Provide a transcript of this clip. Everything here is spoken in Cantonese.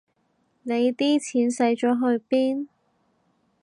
你啲錢使咗去邊